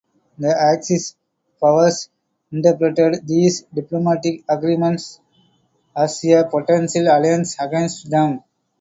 The Axis powers interpreted these diplomatic agreements as a potential alliance against them.